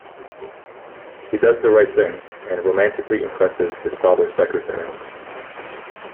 He does the right thing and romantically impresses his father's secretary.